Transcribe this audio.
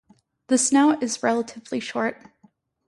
The snout is relatively short.